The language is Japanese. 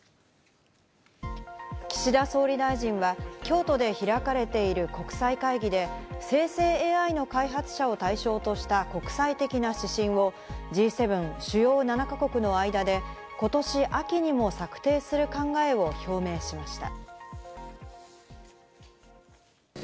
岸田総理大臣は京都で開かれている国際会議で、生成ＡＩの開発者を対象とした国際的な指針をＧ７＝主要７か国の間でことし秋にも策定する考えを表明しました。